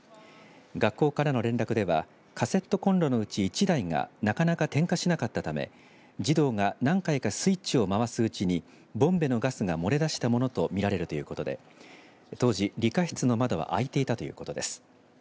学校からの連絡ではカセットコンロのうち１台がなかなか点火しなかったため児童が何回かスイッチを回すうちにボンベのガスが漏れ出したものとみられるということで当時、理科室の窓は開いていたということです。